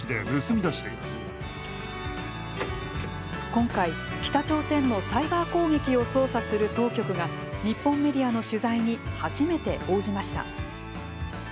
今回、北朝鮮のサイバー攻撃を捜査する当局が日本メディアの取材に初めて応じました。